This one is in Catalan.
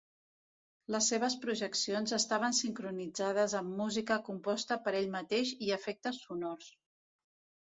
Les seves projeccions estaven sincronitzades amb música composta per ell mateix i efectes sonors.